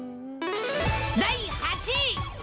第８位。